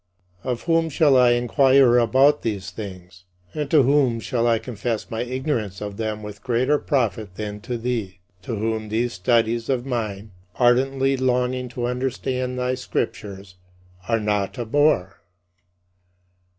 Of whom shall I inquire about these things? And to whom shall I confess my ignorance of them with greater profit than to thee, to whom these studies of mine (ardently longing to understand thy Scriptures) are not a bore?